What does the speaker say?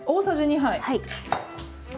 はい。